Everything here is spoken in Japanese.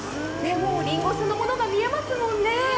もうりんごそのものが見えますもんね。